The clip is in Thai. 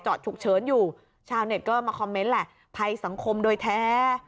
ฉุกเฉินอยู่ชาวเน็ตก็มาคอมเมนต์แหละภัยสังคมโดยแท้